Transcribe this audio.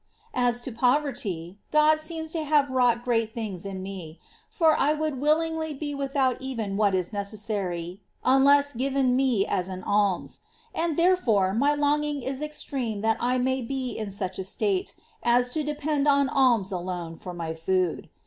2 As to poverty, God seems to have wrought Poverty. great things in me ; for I would willingly be without even what is necessary, unless given me' as an alms ; and therefore my longing is extreme that I may be in such a state as to depend on alms alone for my food.